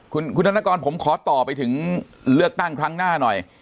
คุณธนกรผมขอต่อไปถึงเลือกตั้งครั้งหน้าหน่อย